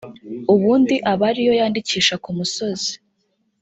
ubundi aba ari yo yandikisha ku musozi